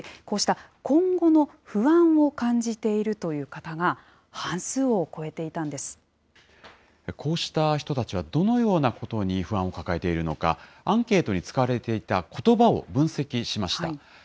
こうした今後の不安を感じているという方が半数を超えていたんでこうした人たちはどのようなことに不安を抱えているのか、アンケートに使われていたことばを分析しました。